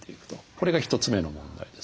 これが一つ目の問題です。